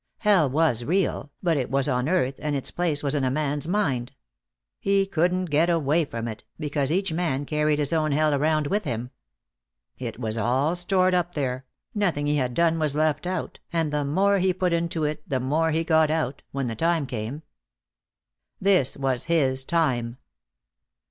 Hell was real, but it was on earth and its place was in a man's mind. He couldn't get away from it, because each man carried his own hell around with him. It was all stored up there; nothing he had done was left out, and the more he put into it the more he got out, when the time came. This was his time.